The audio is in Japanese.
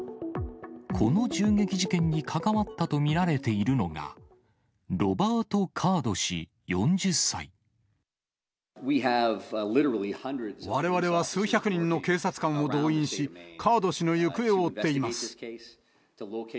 この銃撃事件に関わったと見られているのが、われわれは数百人の警察官を動員し、カード氏の行方を追っています。